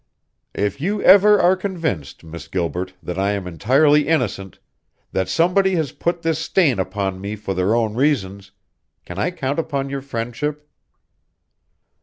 "If you ever are convinced, Miss Gilbert, that I am entirely innocent, that somebody has put this stain upon me for their own reasons, can I count upon your friendship?"